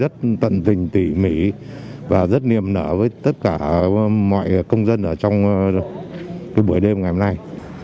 rất tận tình tỉ mỉ và rất niềm nở với tất cả mọi công dân ở trong buổi đêm ngày hôm nay